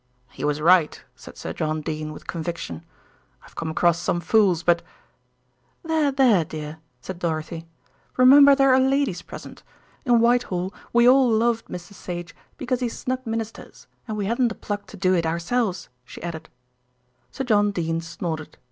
"He was right," said Sir John Dene with conviction. "I've come across some fools; but " "There, there, dear," said Dorothy, "remember there are ladies present. In Whitehall we all loved Mr. Sage because he snubbed Ministers, and we hadn't the pluck to do it ourselves," she added. Sir John Dene snorted.